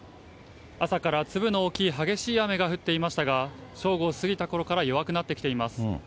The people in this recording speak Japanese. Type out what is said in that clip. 朝から粒の大きい激しい雨が降っていましたが、正午を過ぎたころから弱くなってきています。